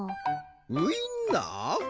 ウインナー？